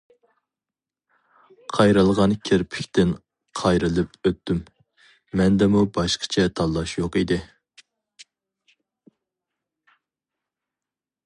قايرىلغان كىرپىكتىن قايرىلىپ ئۆتتۈم، مەندىمۇ باشقىچە تاللاش يوق ئىدى.